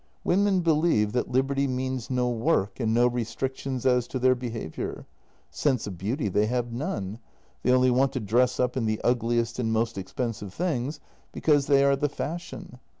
Women believe that liberty means no work and no restrictions as to their behaviour. Sense of beauty they have none; they only want to dress up in the ugliest and most expensive things, because they are the fashion.